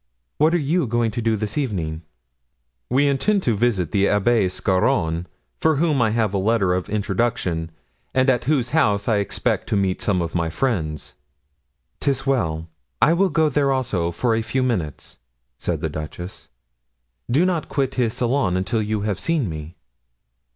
What are you going to do this evening?" "We intend to visit the Abbé Scarron, for whom I have a letter of introduction and at whose house I expect to meet some of my friends." "'Tis well; I will go there also, for a few minutes," said the duchess; "do not quit his salon until you have seen me."